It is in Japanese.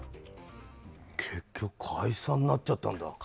結局、解散になっちゃったんだ。